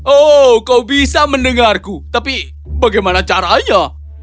oh kau bisa mendengarku tapi bagaimana caranya